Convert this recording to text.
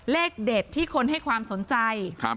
เลขเด็ดที่คนให้ความสนใจ